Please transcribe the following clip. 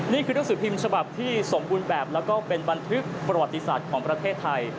นี่คือหนังสือพิมพ์ฉบับที่สมบูรณ์แบบแล้วก็เป็นบันทึกประวัติศาสตร์ของประเทศไทย